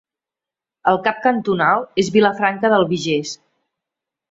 El cap cantonal és Vilafranca d'Albigés.